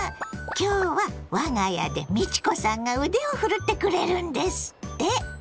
今日は我が家で美智子さんが腕を振るってくれるんですって。